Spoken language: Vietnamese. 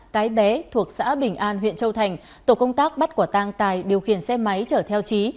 cái bé thuộc xã bình an huyện châu thành tổ công tác bắt quả tang tài điều khiển xe máy chở theo trí